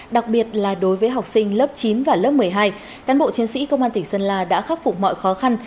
đặc biệt là đối với học sinh lớp chín và lớp một mươi hai cán bộ chiến sĩ công an tỉnh sơn la đã khắc phục mọi khó khăn